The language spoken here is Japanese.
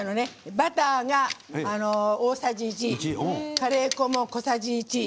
バターが大さじ１カレー粉も小さじ１。